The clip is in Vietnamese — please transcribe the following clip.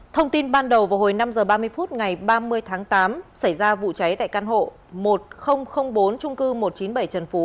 thông tin ban đầu vào hồi năm h ba mươi phút ngày ba mươi tháng tám xảy ra vụ cháy tại căn hộ một nghìn bốn trung cư một trăm chín mươi bảy trần phú